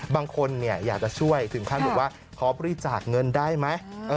บางคนอยากจะช่วยถึงขั้นบอกว่าขอบริจาคเงินได้ไหม